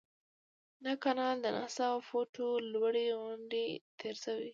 دا کانال د نهه سوه فوټه لوړې غونډۍ تیر شوی.